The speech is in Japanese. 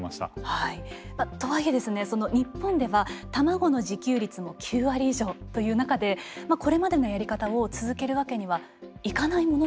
とはいえですね日本では卵の自給率も９割以上という中でこれまでのやり方を続けるわけにはいかないものなんでしょうか？